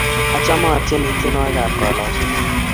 Achame atyeni tyenwogik ap kalosunet